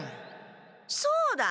そうだ！